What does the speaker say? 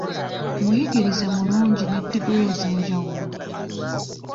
Muyigirize mulungi ne diguli ez'enjawulo..